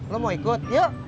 lo mau ikut yuk